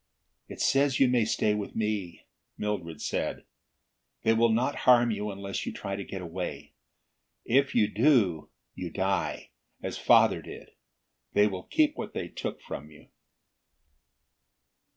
"It says you may stay with me," Mildred said. "They will not harm you unless you try again to get away. If you do, you die as father did. They will keep what they took from you."